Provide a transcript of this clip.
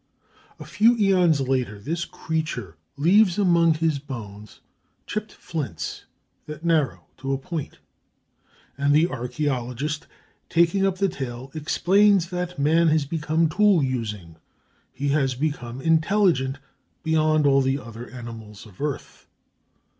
A few æons later this creature leaves among his bones chipped flints that narrow to a point; and the archæologist, taking up the tale, explains that man has become tool using, he has become intelligent beyond all the other animals of earth.